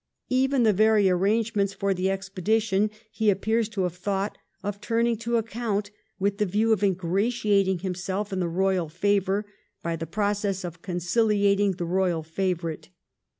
Even the very arrangements for the expedition he appears to have thought of turning to account, with the view of ingratiating himself in the royal favour by the process of conciHating the royal favourite.